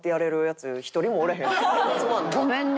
ごめんね。